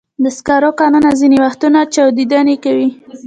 د سکرو کانونه ځینې وختونه چاودنې کوي.